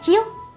kita bisa bekerja